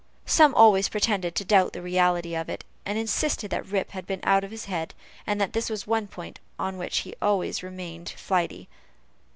Some always pretended to doubt the reality of it, and insisted that Rip had been out of his head, and that this was one point on which he always remained flighty.